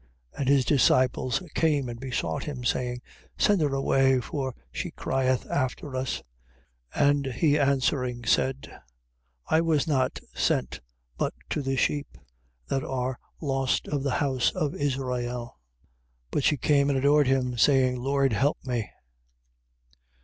And his disciples came and besought him, saying: Send her away, for she crieth after us: 15:24. And he answering, said: I was not sent but to the sheep, that are lost of the house of Israel. 15:25. But she came and adored him, saying: Lord, help me.